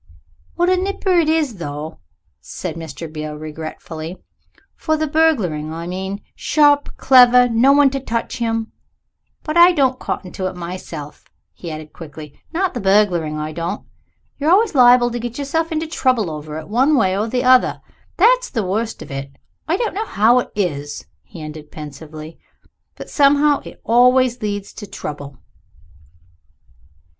"What a nipper it is, though!" said Mr. Beale regretfully. "For the burgling, I mean sharp clever no one to touch him. But I don't cotton to it myself," he added quickly, "not the burgling, I don't. You're always liable to get yourself into trouble over it, one way or the other that's the worst of it. I don't know how it is," he ended pensively, "but somehow it always leads to trouble."